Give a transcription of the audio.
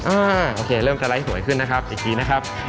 โอเคเริ่มสไลด์หวยขึ้นนะครับอีกทีนะครับ